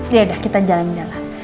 yaudah kita jalan jalan